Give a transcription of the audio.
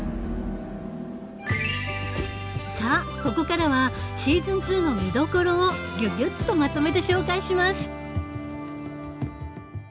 さあここからはシーズン２の見どころをギュギュッとまとめて紹介します。